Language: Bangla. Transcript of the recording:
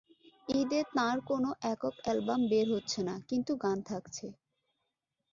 ঈদে তাঁর কোনো একক অ্যালবাম বের হচ্ছে না, কিন্তু গান থাকছে।